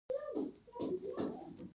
متل د قناعت ورکولو ښه وسیله ده